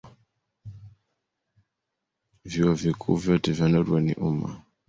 Vyuo Vikuu vyote vya Norwei ni vya umma.